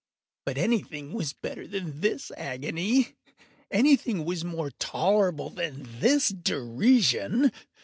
But anything was better than this agony! Anything was more tolerable than this derision!